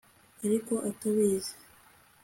ariko atabizi